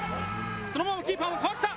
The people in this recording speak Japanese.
そのままキーパーもかわした！